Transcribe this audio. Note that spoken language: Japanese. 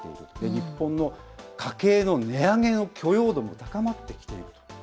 日本の家計の値上げの許容度も高まってきていると。